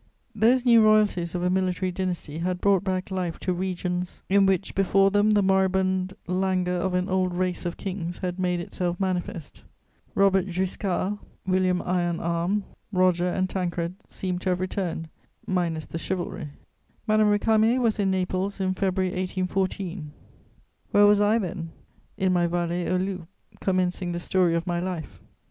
Those new royalties of a military dynasty had brought back life to regions in which before them the moribund languor of an old race of kings had made itself manifest. Robert Guiscard, William Iron arm, Roger and Tancred seemed to have returned, minus the chivalry. Madame Récamier was in Naples in February 1814; where was I then? In my Vallée aux Loups, commencing the story of my life.